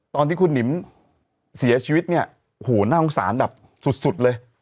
ตอนที่คุณหนิมเสียชีวิตเนี่ยโหน่าสงสารแบบสุดเลย